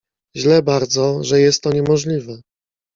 "Źle bardzo, że jest to niemożliwe."